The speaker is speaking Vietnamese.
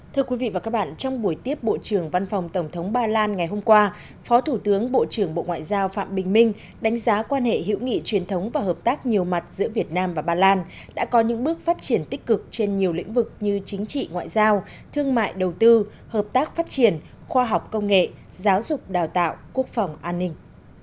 thưa quý vị và các bạn trong buổi tiếp bộ trưởng văn phòng tổng thống ba lan ngày hôm qua phó thủ tướng bộ trưởng bộ ngoại giao phạm bình minh đánh giá quan hệ hữu nghị truyền thống và hợp tác nhiều mặt giữa việt nam và ba lan đã có những bước phát triển tích cực trên nhiều lĩnh vực như chính trị ngoại giao thương mại đầu tư hợp tác phát triển khoa học công nghệ giáo dục đào tạo quốc phòng an ninh